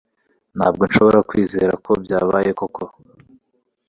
Ntabwo nshobora kwizera ko byabayeho koko